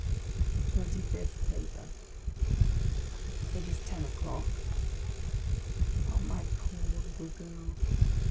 TWENTY FIFTH PAPER IT is ten o'clock. Oh, my poor little girl!